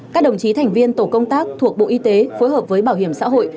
các đồng chí thành viên tổ công tác thuộc bộ y tế phối hợp với bảo hiểm xã hội